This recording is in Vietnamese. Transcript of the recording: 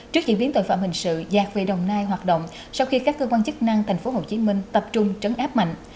trước diễn biến tội phạm hình sự giạc về đồng nai hoạt động sau khi các cơ quan chức năng tp hcm tập trung trấn áp mạnh